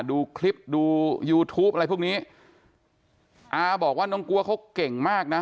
ดูคลิปดูยูทูปอะไรพวกนี้อาบอกว่าน้องกลัวเขาเก่งมากนะ